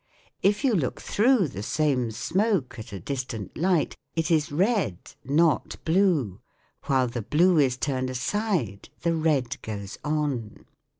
If you look through the same smoke at a distant light, it is red, not blue. While the blue is turned aside the red goes on.